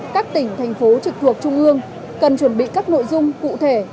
các tỉnh thành phố trực thuộc trung ương cần chuẩn bị các nội dung cụ thể